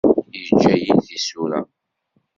Yeǧǧa-iyi-d tisura.